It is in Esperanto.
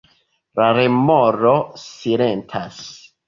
La remoro silentas.